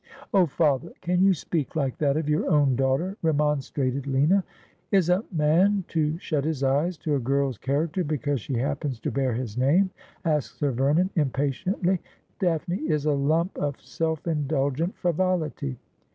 ' Oh, father ! can you speak like that of your own daughter ?' remonstrated Lina. ' Is a man to shut his eyes to a girl's character because she happens to bear his name ?' asked Sir Vernon impatiently. ' Daphne is a lump of self indulgent frivolity.'